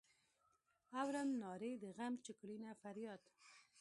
اورم نارې د غم چې کړینه فریاد.